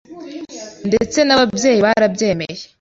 ndetse n’ababyeyi barabyemeye.